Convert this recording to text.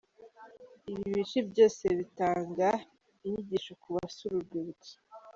Ibi bice byose bitanga inyigisho ku basura urwibutso.